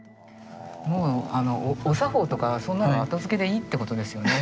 もうお作法とかそんなのは後付けでいいってことですよね。